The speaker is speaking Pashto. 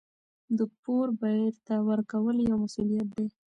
د پور بېرته ورکول یو مسوولیت دی.